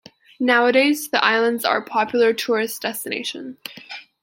Nowadays the islands are a popular tourist destination.